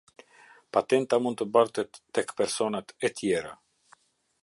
Patenta mund të bartet tek personat e tjerë.